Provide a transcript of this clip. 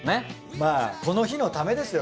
まあこの日のためですよ。